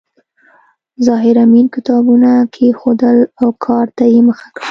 طاهر آمین کتابونه کېښودل او کار ته یې مخه کړه